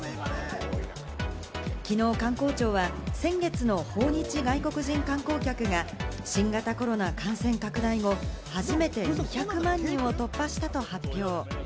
きのう観光庁は先月の訪日外国人観光客が新型コロナ感染拡大後、初めて２００万人を突破したと発表。